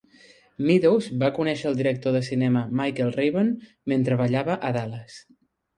Meadows va conèixer el director de cinema Michael Raven mentre ballava a Dallas.